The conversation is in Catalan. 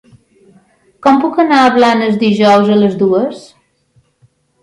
Com puc anar a Blanes dijous a les dues?